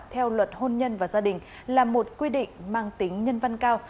theo luật hôn nhân và gia đình là một quy định mang tính nhân văn cao